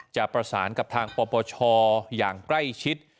จะประสานกับทางปปชอย่างใกล้ชิด